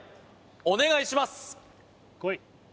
お願いします